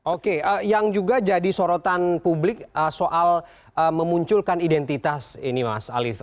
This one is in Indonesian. oke yang juga jadi sorotan publik soal memunculkan identitas ini mas alif